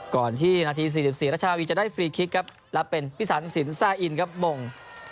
ก่อนที่นาที๔๔รัชนาวีจะได้ฟรีคลิกครับและเป็นพิสันสินแซ่ออินครับมง